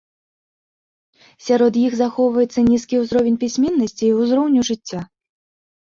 Сярод іх захоўваецца нізкі ўзровень пісьменнасці і ўзроўню жыцця.